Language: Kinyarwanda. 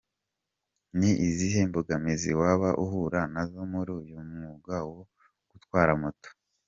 com : Ni izihe mbogamizi waba uhura nazo muri uyu mwuga wo gutwara moto ?.